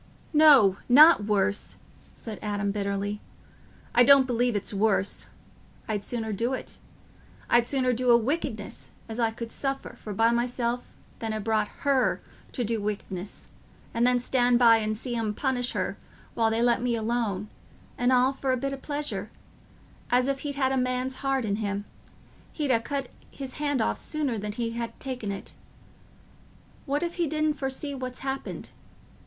"No—not worse," said Adam, bitterly; "I don't believe it's worse—I'd sooner do it—I'd sooner do a wickedness as I could suffer for by myself than ha' brought her to do wickedness and then stand by and see 'em punish her while they let me alone; and all for a bit o' pleasure, as, if he'd had a man's heart in him, he'd ha' cut his hand off sooner than he'd ha' taken it. What if he didn't foresee what's happened?